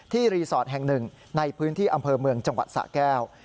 รีสอร์ทแห่งหนึ่งในพื้นที่อำเภอเมืองจังหวัดสะแก้ว